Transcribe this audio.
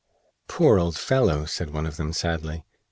"Poor old fellow!" said one of them, sadly.